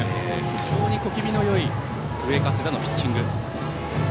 非常に小気味のよい上加世田のピッチング。